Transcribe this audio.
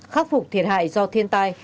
khắc phục thiệt hại do thiên tai